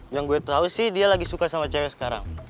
yang gue tahu sih dia lagi suka sama cewek sekarang